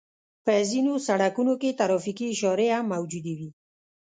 په ځينو سړکونو کې ترافيکي اشارې هم موجودې وي.